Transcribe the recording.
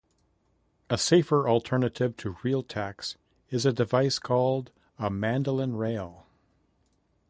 A safer alternative to real tacks is a device called a "mandolin rail".